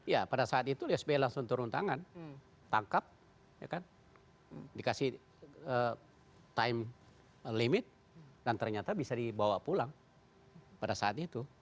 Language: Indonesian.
ya pada saat itu sbi langsung turun tangan tangkap dikasih time limit dan ternyata bisa dibawa pulang pada saat itu